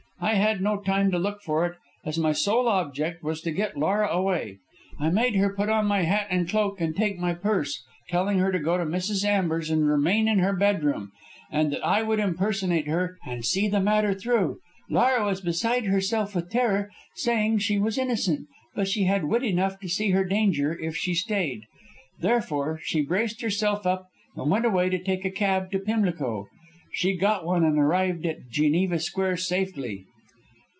I had no time to look for it, as my sole object was to get Laura away. I made her put on my hat and cloak and take my purse, telling her to go to Mrs. Amber's and remain in her bedroom, and that I would impersonate her and see the matter through. Laura was beside herself with terror, saying that she was innocent; but she had wit enough to see her danger if she stayed. Therefore, she braced herself up and went away to take a cab to Pimlico. She got one and arrived at Geneva Square safely."